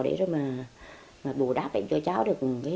để mà bù đáp cho cháu được